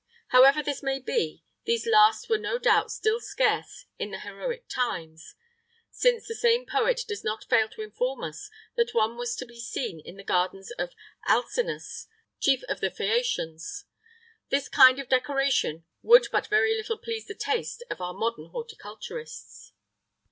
[III 17] However this may be, these last were no doubt still scarce in the heroic times, since the same poet does not fail to inform us that one was to be seen in the gardens of Alcinous, chief of the Phæacians.[III 18] This kind of decoration would but very little please the taste of our modern horticulturists.